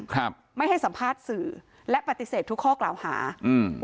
ครับไม่ให้สัมภาษณ์สื่อและปฏิเสธทุกข้อกล่าวหาอืม